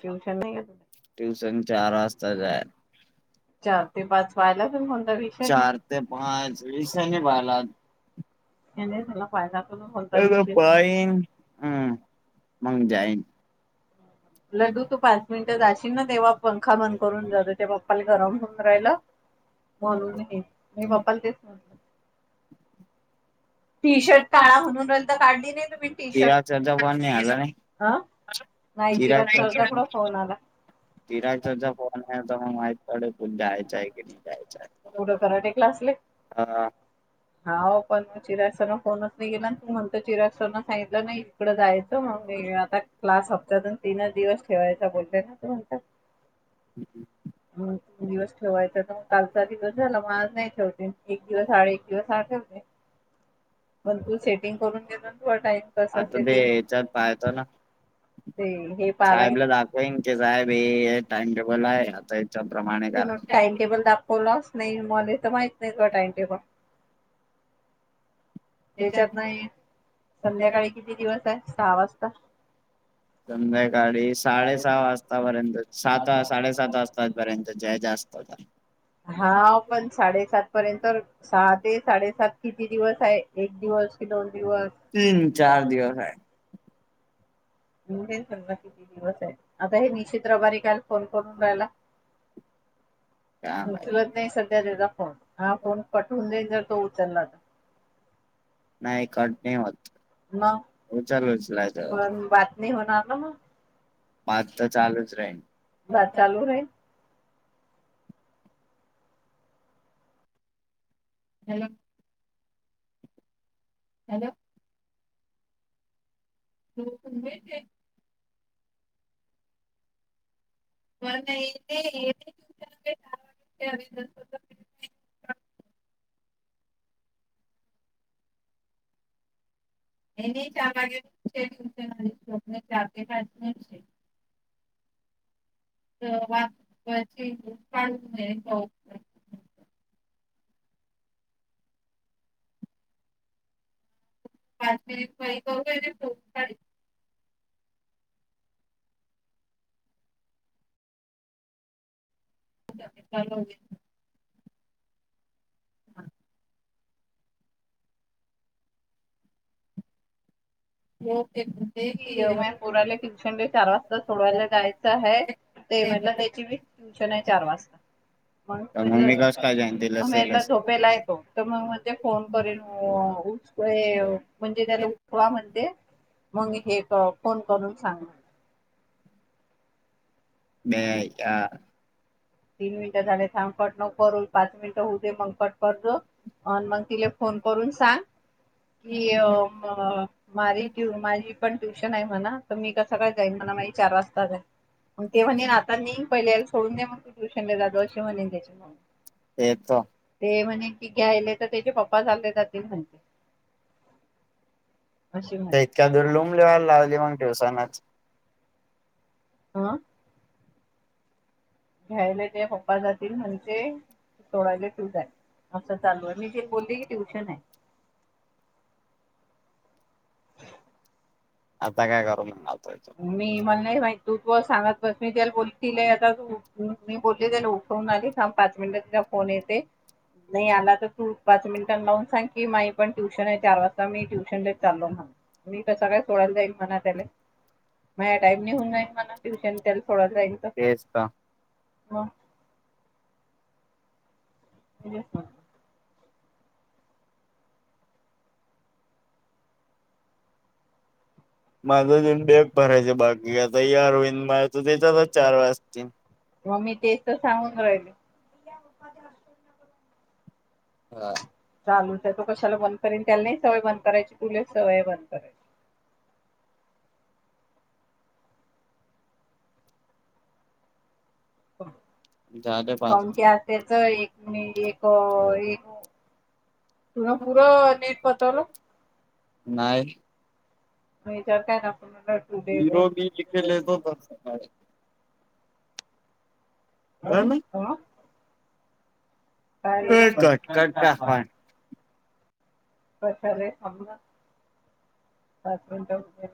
Tuition नाही घेत tuition चार वाजता जाय चार ते पाच पाहिला तुम्ही कोणता विषय आहे? चार ते पाच वीसेनी पाला ह हे झा पायज विष पाईन हम्म मग जाईन लड्डू तू पाच मिनिटं जाशील ना तेव्हा पंखा बंद करून जो ते बाप्पाला गरम होऊन राहिलं म्हणून मी बाप्पा ते टी शर्ट काढा शर् म्हणून राहिल तर काढली नाही तुम्ही टी तिरा चर्चा शर्ट पण नाही हला नाही अ नाही चिराग सरचा चर्चा कुठं फोन आला चिराग चर्चा प आणि तला माहित पडे पू जायचय क नाही जायचय कुठं कराटे क्लासले होा पण चिरागना फोनच नाही गेला ना तू म्हणत चिरागसना सांगितलं नाही तकड जायचं मग मी आता क्लास हप्त्यातून तीनच दिवस ठेवायचा बोलतेय ना त म्हणतात हं ह तीन दिवस ठेवायचा तर मग कालचाध ग झाला मग आज नाही ठेवते एक दिवस साडे एक दिवस आठेवते मग तू सेटिंग करून घेत ना तड टाइमपस आता ते सेटिंग याच्यात पाहतो ना ते हे पालाय ना होक साहेब हे टाइम टेबल आहे आता याच्या प्रमाणे कारण होलाच नाही मला तर माहित नाही का टामटे पण त्याच्यात नाही संध्याकाळी किती दिवस आहे सहा वाजता संध्याकाळी साडे सहा वाजतापर्यंत सात साडेसात वाजता र्यंत जय जास्त होता हा पण साडेसात पर्यंत सहा ते साडेसात किती दिवस आहे एक दिवस की दोन दिवस तीन चार दिवस आहे म्हणजे सगा किती दिवस आहे आता हे निश्चित रबारी काल फोन करून राहायला [unintelligible] [inaudible] काय माहित उचलत नाही सध्या त्याचा फोन हा फोन पटवून जाईल जर तो उचलला तर नाही कट नाही होत मग उचल उचलायच पण बात नाही होणार ना मग भात तर चालूच राहील बात चालू रही हॅला हॅलो लोे व ए नाही चार वागेो चार वा काढ पाच मिनिट काही करू दोन साडी चाल हम ओके की यमन कोोराले ट्युशन डे चार वाजता सोडवायला जायचं आहे तेमला त्याचीी ट्युशन आहे चार वाजता म्हण पण मग मी कस काय जॉईन केलं म्ही सेलच झोपेला येतो तर मग म्हणजे फोन करेन उसक म्हणजे त्याला उठवा म्हणते मग हे फोन करून सांगणार ब तीन मिनिटं झाले थांबखट न करूनल पाच मिनिटं होऊते मग कट करत आणि मग तिला फोन करून सांग की माझ्य माझी पण ट्युशन आहे म्हणा तर मी कसकडे जाईन म्हणा माझी चार वाजता आहे मग ते म्हणेन आता नी पहिल्याला सोडून द मग तू ट्युशन ला जाव अशी म्हणेन त्याच्याून ते तो ते म्हणे की घ्यायले तर त्याचे पप्पा चाले जातील म्हणते अशी तर म्हणे इतकका दूर लूम लिवायला लावली मग ठ दिवसानात हं घ्यायला ते पप्पा जातील म्हणते सोडायला्यूझ असं चालू आहे मी जे बोलली की ट्यूशन आहे आता काय करू म मी मला नाही माहित तू तू सांगत बस मी त्याला बोलतील आता तू मी बोलली त्याला उठवून आली पाच मिनिट तिला फोन येते नाही आला तर तू पाच मिनिटां लावून सांग की माी पण ट्युशन आहे चार वाजता मी ट्युशनले चालो म्हणा मी तसं काय सोडायला जाईन मत त्याला मझ्या टाईम निहून जाईल मला ट्यूशन त्याला थोडा जाईल तेजता हा हेज माझं जन बॅग भरायचं बाकी आता या अरविन मा त्याच्यातच चार वाजतील मग मी तेच तर सांगून राहिले प्पा हा चालूच आहे तो कशाला बंद करेन त्याला नाही सवय बंद करायची तुले सवय बंद करायची झाले पाच सणते अस त्याच एक म्ह एक एक तुला पुरं नीट पातलं नाहीय मचार काय ना आपण मला वाटत हिरो मी लखेलेचो तर सका आहे ह ह कट कट का [unintelligible] करे अ हबंडच्या